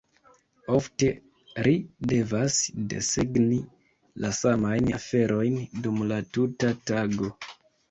Ofte, ri devas desegni la samajn aferojn dum la tuta tago.